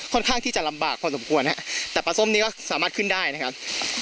ข้างที่จะลำบากพอสมควรฮะแต่ปลาส้มนี้ก็สามารถขึ้นได้นะครับ